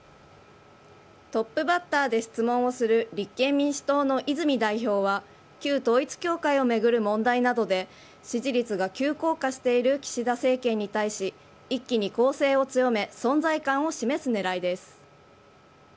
トップバッターで質問をする立憲民主党の泉代表は旧統一教会を巡る問題などで支持率が急降下している岸田政権に対し一気に攻勢を強め存在感を示す狙いです。